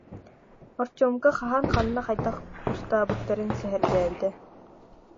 Артемка хаһан, ханна, хайдах кустаабыттарын сэһэргээбитэ